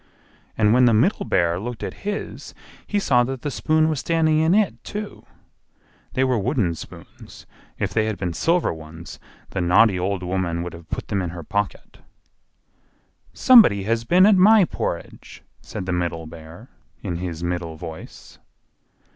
And when the Middle Bear looked at his, he saw that the spoon was standing in it, too. They were wooden spoons; if they had been silver ones the naughty old woman would have put them in her pocket. "SOMEBODY HAS BEEN AT MY PORRIDGE!" said the middle Bear, in his middle voice.